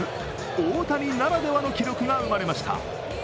大谷ならではの記録が生まれました。